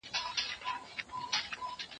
زه به سبا بازار ته ولاړ سم